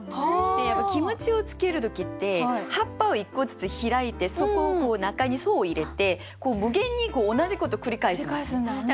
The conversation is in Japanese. やっぱキムチを漬ける時って葉っぱを１個ずつ開いてそこを中に入れて無限に同じこと繰り返すんですね。